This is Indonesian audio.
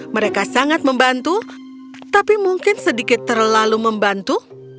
mereka sangat membantu tapi mungkin sedikit terlalu membantu